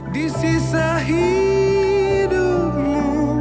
di sisa hidupmu